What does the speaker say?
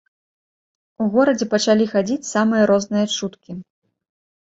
У горадзе пачалі хадзіць самыя розныя чуткі.